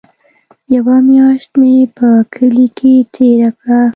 يوه مياشت مې په کلي کښې تېره کړه.